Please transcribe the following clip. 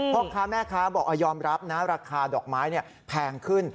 พ่อค้าแม่ค้าบอกยอมรับนะราคาดอกไม้แพงขึ้น